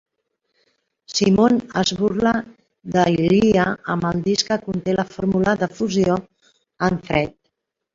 Simon es burla d'Ilya amb el disc que conté la fórmula de fusió en fred.